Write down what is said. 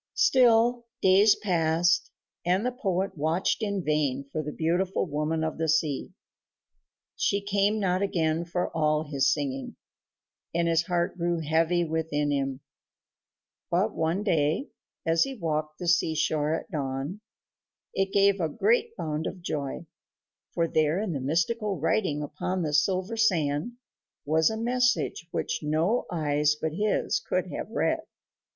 Still, days passed, and the poet watched in vain for the beautiful woman of the sea. She came not again for all his singing, and his heart grew heavy within him; but one day, as he walked the seashore at dawn, it gave a great bound of joy, for there in mystical writing upon the silver sand was a message which no eyes but his could have read.